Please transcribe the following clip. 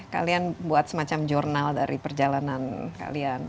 kalian buat semacam jurnal dari perjalanan kalian